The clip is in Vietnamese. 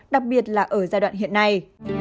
đặc biệt là ở giai đoạn hiện nay